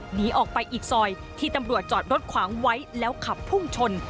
หนีออกไปอีกซอยที่ตำรวจจอดรถขวางไว้แล้วขับพุ่งชน